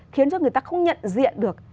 khiến cho người ta không nhận diện được